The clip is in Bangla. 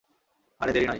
আর দেরী নয়।